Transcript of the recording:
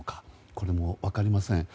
これも分かりません。